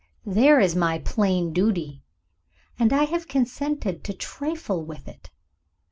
There is my plain duty and I have consented to trifle with it.